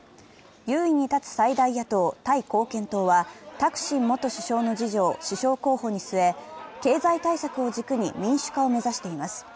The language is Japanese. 優位に立つ最大野党、タイ貢献党はタクシン元首相の次女を首相候補に据え、経済対策を軸に民主化を目指しています。